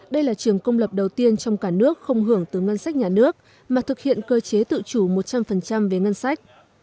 đây là trường công lập đầu tiên trong cả nước không hưởng từ ngân sách nhà nước mà thực hiện cơ chế tự chủ một trăm linh về ngân sách